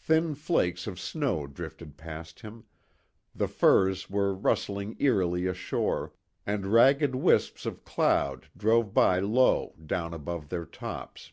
Thin flakes of snow drifted past him; the firs were rustling eerily ashore, and ragged wisps of cloud drove by low down above their tops.